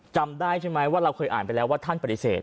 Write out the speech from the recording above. จำได้ใช่ไหมว่าเราเคยอ่านไปแล้วว่าท่านปฏิเสธ